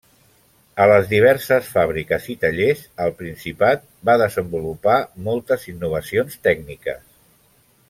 A les diverses fàbriques i tallers al principat va desenvolupar moltes innovacions tècniques.